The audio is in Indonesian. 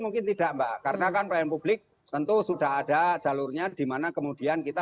mungkin tidak mbak karena kan pelayanan publik tentu sudah ada jalurnya dimana kemudian kita